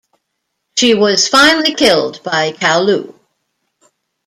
She was finally killed by Kaulu.